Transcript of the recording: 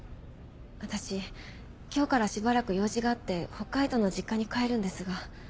私今日からしばらく用事があって北海道の実家に帰るんですが。